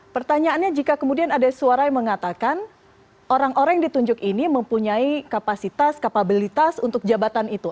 pertanyaannya jika kemudian ada suara yang mengatakan orang orang yang ditunjuk ini mempunyai kapasitas kapabilitas untuk jabatan itu